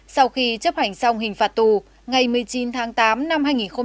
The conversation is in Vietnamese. sau khi chấp hành xong hình phạt tù ngày một mươi chín tháng tám năm hai nghìn một mươi ba